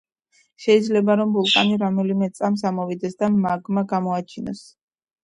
შეიძლება რომ ვულკანი რომელიმე წამს ამოვიდეს და მაგმა გამოაჩინოს